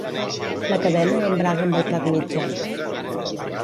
La cadena embraga amb el plat mitjà.